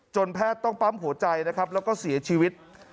แพทย์ต้องปั๊มหัวใจนะครับแล้วก็เสียชีวิต